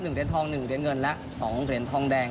เหรียญทองหนึ่งเหรียญเงินและสองเหรียญทองแดง